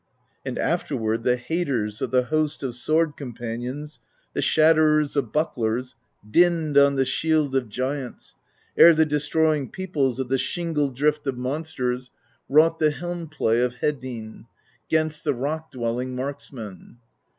And afterward the haters Of the host of sword companions, The shatterers of bucklers. Dinned on the shield of giants, Ere the destroying peoples Of the shingle drift of monsters THE POESY OF SKALDS 127 Wrought the helm play of Hedinn 'Gainst the rock dwelling marksmen.